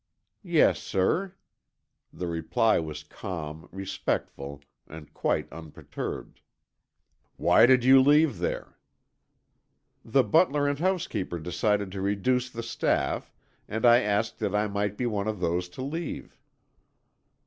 "Yes, sir." The reply was calm, respectful and quite unperturbed. "Why did you leave there?" "The butler and housekeeper decided to reduce the staff, and I asked that I might be one of those to leave."